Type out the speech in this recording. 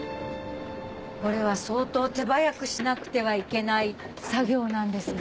これは相当手早くしなくてはいけない作業なんですか？